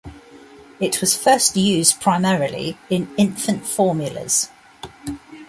It was first used primarily in infant formulas.